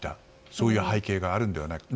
そういう背景があるのではないかと。